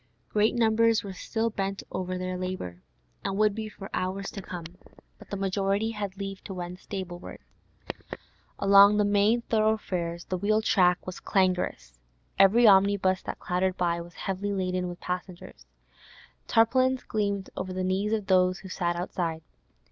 Great numbers were still bent over their labour, and would be for hours to come, but the majority had leave to wend stable wards. Along the main thoroughfares the wheel track was clangorous; every omnibus that clattered by was heavily laden with passengers; tarpaulins gleamed over the knees of those who sat outside.